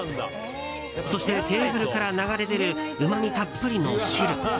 そして、テーブルから流れ出るうまみたっぷりの汁。